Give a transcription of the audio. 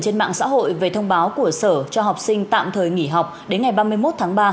trên mạng xã hội về thông báo của sở cho học sinh tạm thời nghỉ học đến ngày ba mươi một tháng ba